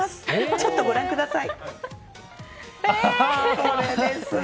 ちょっとご覧ください。